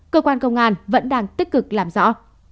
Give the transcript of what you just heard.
cơ quan công an vẫn đang tích cực làm rõ